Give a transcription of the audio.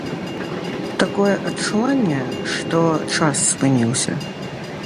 Такое адчуванне, што час спыніўся.